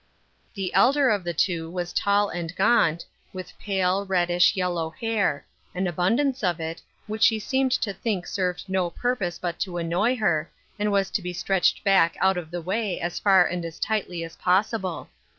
The elder of the two was tall and gaunt, with pale, reddish, yellow hair — an abundance of it, which she seemed to think served no purpose but to annoy her, and was to be stretched back out of the way as far and as tightly as possible.